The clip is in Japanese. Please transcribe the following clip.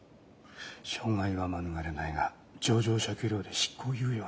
傷害は免れないが情状酌量で執行猶予がつくかもな。